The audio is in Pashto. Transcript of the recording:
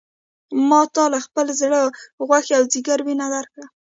ما تا له خپل زړه غوښې او ځیګر وینه درکړه.